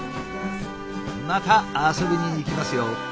また遊びに行きますよ。